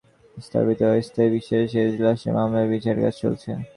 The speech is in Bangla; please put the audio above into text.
ঢাকার কেন্দ্রীয় কারাগারের পাশে স্থাপিত অস্থায়ী বিশেষ এজলাসে মামলার বিচারকাজ চলছে।